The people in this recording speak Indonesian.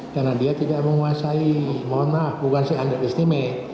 karena dia tidak menguasai monah bukan si andet istimek